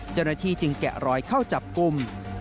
เจ้าหน้าที่จึงแกะรอยเข้าจับกลุ่ม